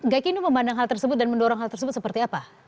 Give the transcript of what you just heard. gaikino memandang hal tersebut dan mendorong hal tersebut seperti apa